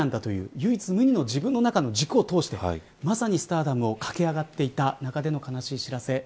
唯一無二の自分の中の軸を通してスターダムを駆け上がっていた中の悲しい知らせ。